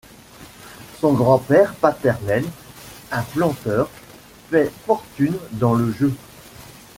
Son grand-père paternel, un planteur, fait fortune dans le jeu.